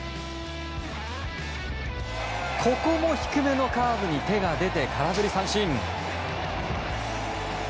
ここも低めのカーブに手が出て空振り三振。